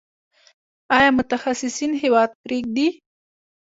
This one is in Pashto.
آیا متخصصین هیواد پریږدي؟